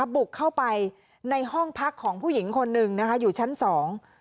บุกเข้าไปในห้องพักของผู้หญิงคนหนึ่งนะคะอยู่ชั้นสอง